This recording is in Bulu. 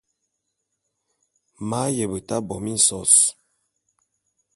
M’ aye beta bo minsos.